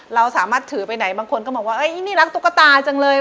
เราสามารถถือไปไหนบางคนก็บอกว่านี่รักตุ๊กตาจังเลย